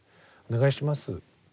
お願いします。